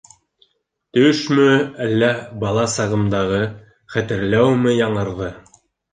Төшмө, әллә бала сағымдағы хәтерләүме яңырҙы?